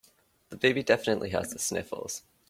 The baby definitely has the sniffles.